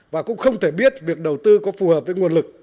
và cũng không thể biết việc đầu tư có phù hợp với nguồn lực